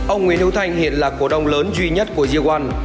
ông nguyễn hữu thành hiện là cổ đông lớn duy nhất của gia loan